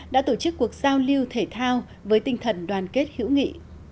đã tổ chức cuộc giao lưu thể thao với tinh thần đoàn kết hữu nghị